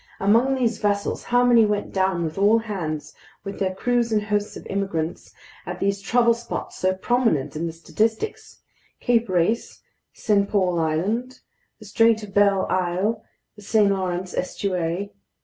Among these vessels, how many went down with all hands, with their crews and hosts of immigrants, at these trouble spots so prominent in the statistics: Cape Race, St. Paul Island, the Strait of Belle Isle, the St. Lawrence estuary!